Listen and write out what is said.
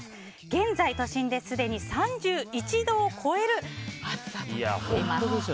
現在都心ですでに３１度を超える暑さとなっています。